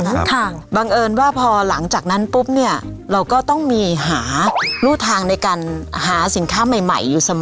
ค่ะบังเอิญว่าพอหลังจากนั้นปุ๊บเนี่ยเราก็ต้องมีหารูทางในการหาสินค้าใหม่ใหม่อยู่เสมอ